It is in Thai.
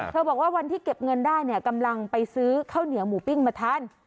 บอกว่าวันที่เก็บเงินได้เนี่ยกำลังไปซื้อข้าวเหนียวหมูปิ้งมาทาน